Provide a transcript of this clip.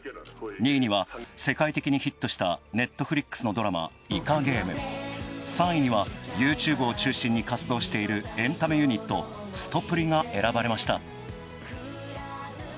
２位には世界的にヒットしたＮｅｔｆｌｉｘのドラマ「イカゲーム」。３位にはＹｏｕＴｕｂｅを中心に活動しているエンタメユニット・すとぷりが選ばれました。